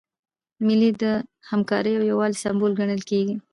مېلې د همکارۍ او یووالي سمبول ګڼل کېږي.